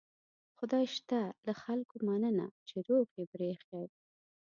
خدای شته له خلکو مننه چې روغ یې پرېښي.